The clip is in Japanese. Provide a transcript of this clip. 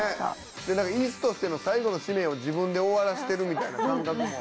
椅子としての最後の使命を自分で終わらせてるみたいな感覚も。